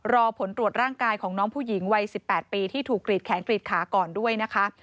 รอผลตรวจร่างกายของน้องผู้หญิงวัย๑๘ปีที่ถูกกรีดแขนกรีดขาก่อนด้วยนะคะ